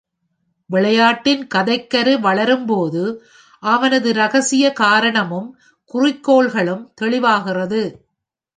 விளையாட்டின் கதைக்கரு வளரும்போது, அவனது இரகசிய காரணமும், குறிக்கோள்களும் தெளிவாகிறது.